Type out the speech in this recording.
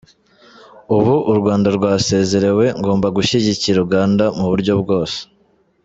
Ubu u Rwanda rwasezerewe ngomba gushyigikira Uganda mu buryo bwose”.